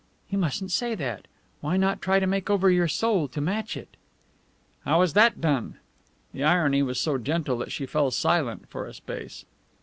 "You mustn't say that! Why not try to make over your soul to match it?" "How is that done?" The irony was so gentle that she fell silent for a space.